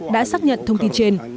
đã xác nhận thông tin trên